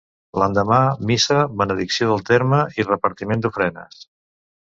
L'endemà, missa, benedicció del terme i repartiment d'ofrenes.